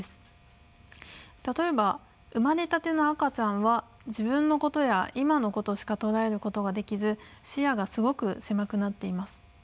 例えば生まれたての赤ちゃんは自分のことや今のことしか捉えることができず視野がすごく狭くなっています。